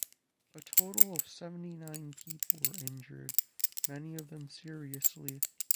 A total of seventy-nine people were injured, many of them seriously.